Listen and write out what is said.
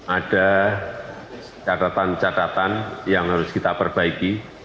ada catatan catatan yang harus kita perbaiki